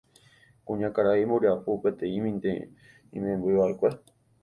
kuñakarai mboriahu peteĩmínte imembyva'ekue.